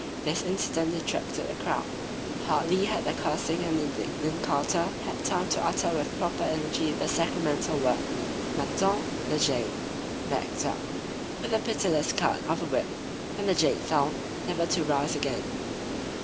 This incident attracted a crowd. Hardly had the cursing and indignant carter had time to utter with proper energy the sacramental word, Mâtin (the jade), backed up with a pitiless cut of the whip, when the jade fell, never to rise again.